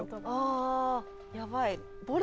あやばい